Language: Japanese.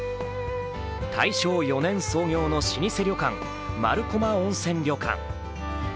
大正４年創業の老舗旅館丸駒温泉旅館。